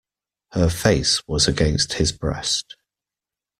Her face was against his breast.